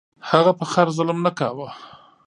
هغه په خر ظلم نه کاوه.